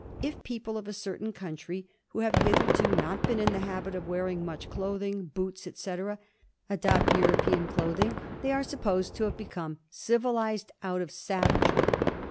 If people of a certain country, who have hitherto not been in the habit of wearing much clothing, boots, etc., adopt European clothing, they are supposed to have become civilised out of savagery.